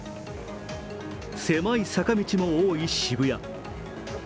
狭い坂道も多い渋谷。